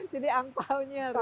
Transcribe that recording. jadi angpaonya harus